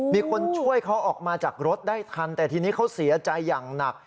มีคนช่วยเขาออกมาจากรถได้ทันแต่ทีนี้เขาเสียใจอย่างหนัก